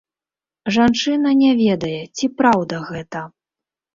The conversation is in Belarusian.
Жанчына не ведае, ці праўда гэта.